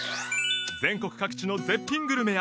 全国各地の絶品グルメや感動